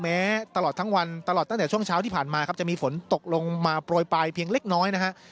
แม้ตลอดทั้งวันตลอดตั้งแต่ช่วงเช้าที่ผ่านมาครับจะมีฝนตกลงมาโปรยปลายเพียงเล็กน้อยนะฮะ